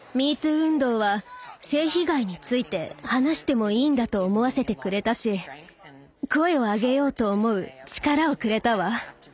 運動は性被害について話してもいいんだと思わせてくれたし声を上げようと思う力をくれたわ。